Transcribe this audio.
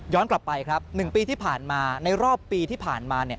กลับไปครับ๑ปีที่ผ่านมาในรอบปีที่ผ่านมา